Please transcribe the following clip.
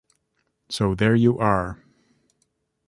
So there you are.